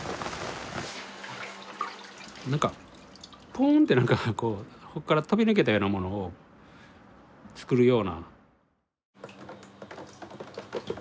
なんかポーンってなんかここから飛び抜けたようなものを作るような。